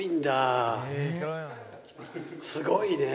すごいね！